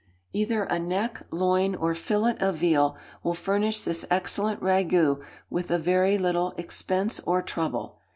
Either a neck, loin, or fillet of veal will furnish this excellent ragoût with a very little expense or trouble.